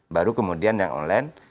baru kemudian yang online